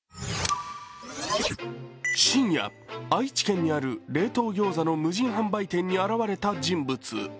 深夜、愛知県にある冷凍ギョーザの無人販売店に現れた人物。